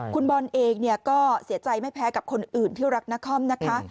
คุณบอลเองก็เสียใจไม่แพ้กับคนอื่นที่รักนครนะคะ